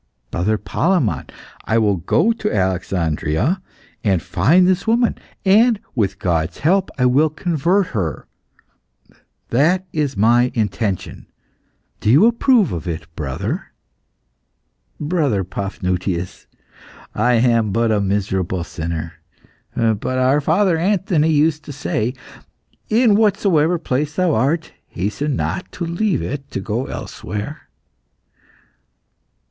"Brother Palemon, I will go to Alexandria and find this woman, and, with God's help, I will convert her; that is my intention; do you approve of it, brother?" "Brother Paphnutius, I am but a miserable sinner, but our father Anthony used to say, 'In whatsoever place thou art, hasten not to leave it to go elsewhere.